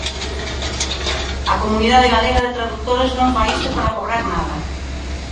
A comunidade galega de tradutores non fai isto para cobrar nada.